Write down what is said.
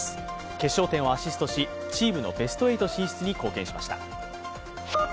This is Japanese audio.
決勝点をアシストしチームのベスト８進出に貢献しました。